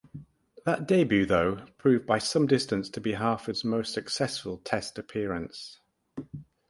That debut, though, proved by some distance to be Harford's most successful Test appearance.